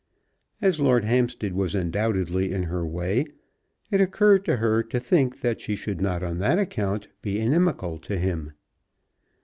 As Lord Hampstead was undoubtedly in her way, it occurred to her to think that she should not on that account be inimical to him.